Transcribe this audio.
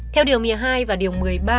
theo điều một mươi hai và điều một mươi ba